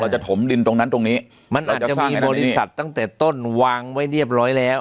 จะถมดินตรงนั้นตรงนี้มันอาจจะมีบริษัทตั้งแต่ต้นวางไว้เรียบร้อยแล้ว